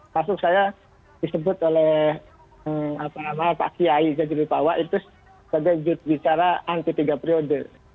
pasuk saya disebut oleh pak kiai jajulipawa itu sebagai jut bicara anti tiga periode